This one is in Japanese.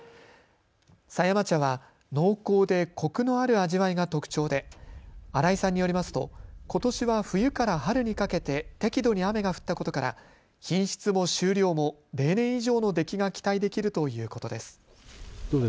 狭山茶は濃厚でコクのある味わいが特徴で新井さんによりますとことしは冬から春にかけて適度に雨が降ったことから品質も収量も例年以上の出来が期待できるということです。